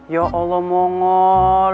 ya allah mongol